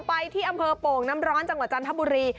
ไปที่อำเภอโป่งน้ำร้อนจังหวัดจันทบุรี